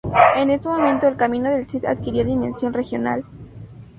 En ese momento, el Camino del Cid adquirió dimensión regional.